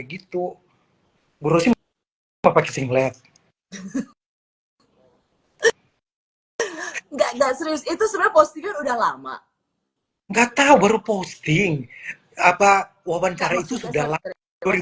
ngak ngak serius itu sudah post there udah lama enggak tahu uposting apa wawancara itu sudah lari